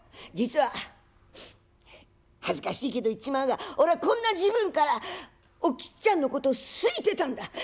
実は恥ずかしいけど言っちまうが俺はこんな時分からおきっちゃんのこと好いてたんだ。